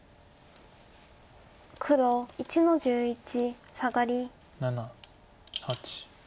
黒１の十一サガリ。